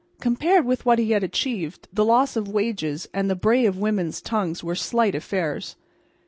Compared with what he had achieved the loss of wages and the bray of women's tongues were slight affairs.